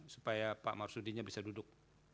supaya pak marsudinya bisa duduk